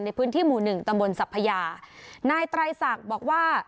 ในพื้นที่หมู่หนึ่งตำบลสัพพยานายไตรศักดิ์บอกว่า